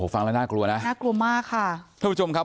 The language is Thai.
ฟังแล้วน่ากลัวนะน่ากลัวมากค่ะท่านผู้ชมครับ